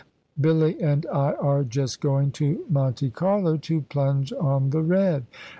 "Billy and I are just going to Monte Carlo, to plunge on the red.